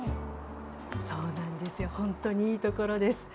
そうなんですよ、本当にいい所です。